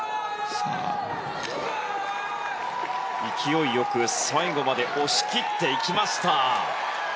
勢いよく最後まで押し切っていきました。